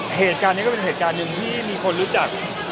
เหตุการณ์นี้ก็เป็นเหตุการณ์หนึ่งที่มีคนรู้จัก